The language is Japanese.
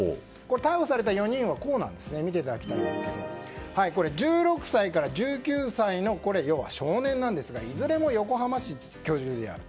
逮捕された４人は１６歳から１９歳の要は少年なんですがいずれも横浜市居住である。